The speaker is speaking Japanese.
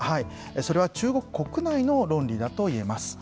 それは中国国内の論理だといえます。